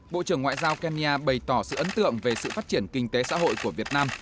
bộ trưởng ngoại giao kenya bày tỏ sự ấn tượng về sự phát triển kinh tế xã hội của việt nam